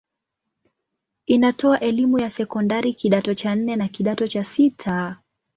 Inatoa elimu ya sekondari kidato cha nne na kidato cha sita.